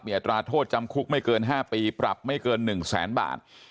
อัตราโทษจำคุกไม่เกิน๕ปีปรับไม่เกิน๑แสนบาท